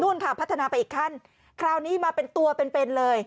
ค่ะพัฒนาไปอีกขั้นคราวนี้มาเป็นตัวเป็นเป็นเลย